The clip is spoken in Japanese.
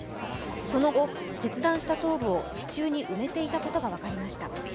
その後、切断した頭部を地中に埋めていたことが分かりました。